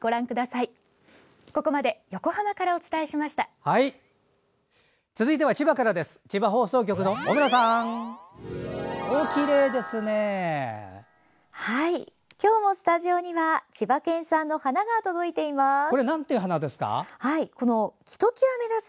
はい、今日もスタジオには千葉県産の花が届いています。